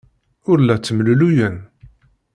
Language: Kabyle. Ur la ttemlelluyen.